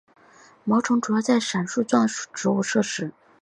毛虫主要在伞树属的植物摄食。